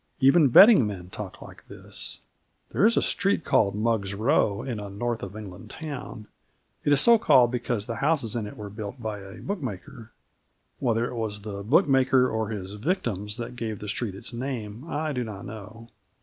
Even betting men talk like this. There is a street called Mug's Row in a north of England town: it is so called because the houses in it were built by a bookmaker. Whether it was the bookmaker or his victims that gave the street its name I do not know.